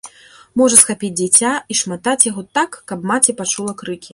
Можа схапіць дзіця і шматаць яго так, каб маці пачула крыкі.